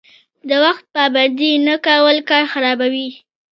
د وخت پابندي نه کول کار خرابوي.